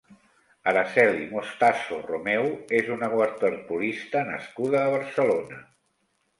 Araceli Mostazo Romeo és una waterpolista nascuda a Barcelona.